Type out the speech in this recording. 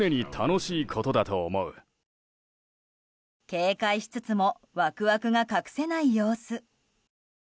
警戒しつつもワクワクが隠せない様子。